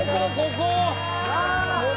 ここ！」